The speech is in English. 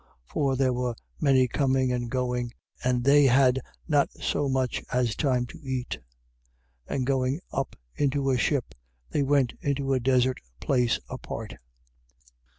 For there were many coming and going: and they had not so much as time to eat. 6:32. And going up into a ship, they went into a desert place apart.